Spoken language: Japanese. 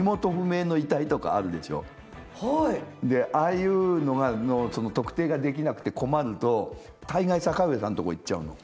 ああいうのが特定ができなくて困ると大概坂上さんのとこに行っちゃうの。